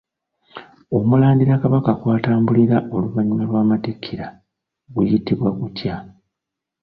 Omulandira Kabaka kwatambulira oluvannyuma lw'amatikkira guyitibwa gutya?